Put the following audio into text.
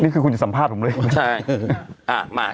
นี่คือคุณจะสัมภาษณ์ผมเลยใช่อ่ามา